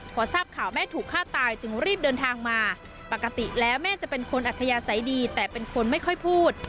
พอทราบข่าวแม่ถูกฆ่าตายจึงรีบเดินทางมาปกติแล้วแม่จะเป็นคนอัธยาศัยดีแต่เป็นคนไม่ค่อยพูด